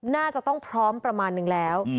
น่าจะต้องพร้อมประมาณนึงแล้ว